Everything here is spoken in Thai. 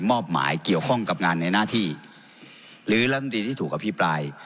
มอบหมายเกี่ยวข้องกับงานในหน้าที่หรือรัฐมนตรีที่ถูกอภิปราย